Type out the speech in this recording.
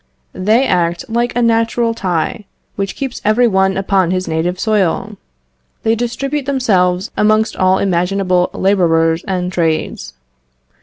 They act like a natural tie, which keeps every one upon his native soil; they distribute themselves amongst all imaginable labourers and trades.